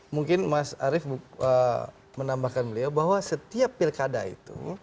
mungkin mas arief menambahkan beliau bahwa setiap pilkada itu